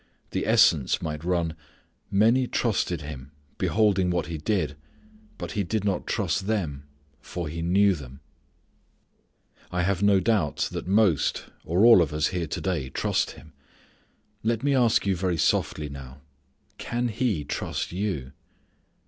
The sentence might run "many trusted Him beholding what He did; but He did not trust them for He knew them." I have no doubt most, or all of us here to day, trust Him. Let me ask you very softly now: Can He trust you?